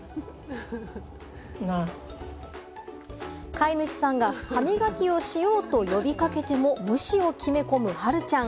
飼い主さんが歯磨きをしようと呼び掛けても、無視を決め込む、はるちゃん。